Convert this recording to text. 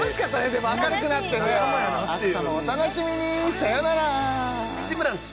でも明るくなってね楽しいね明日もお楽しみにさよなら「プチブランチ」！